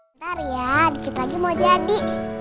ntar ya dikit lagi mau jadi